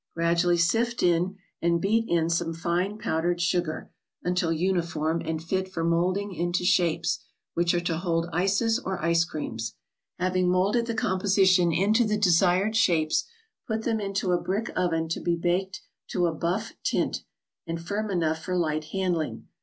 Gradually sift in and beat in some fine powder¬ ed sugar, until uniform and fit for molding into shapes, which are to hold ices or ice creams. Having molded the composition into the desired shapes, put them into a brisk oven to be baked to a buff tint, and firm enough for light handling.